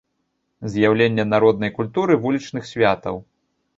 З'яўленне народнай культуры вулічных святаў.